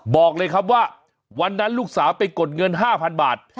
บอกเลยครับว่าวันนั้นลูกสาวไปกดเงิน๕๐๐๐บาท